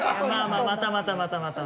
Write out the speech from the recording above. またまたまたまた。